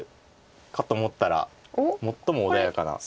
かと思ったら最も穏やかな。